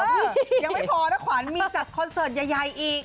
ยังไม่พอนะขวัญมีจัดคอนเสิร์ตใหญ่อีก